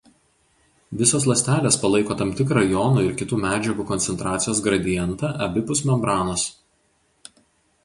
Visos ląstelės palaiko tam tikrą jonų ir kitų medžiagų koncentracijos gradientą abipus membranos.